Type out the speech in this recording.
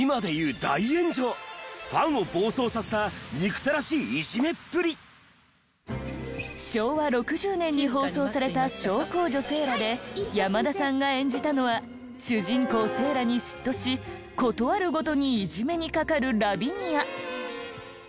そんな昭和６０年に放送された『小公女セーラ』で山田さんが演じたのは主人公セーラに嫉妬し事あるごとにいじめにかかるラビニア。